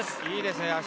いいですね。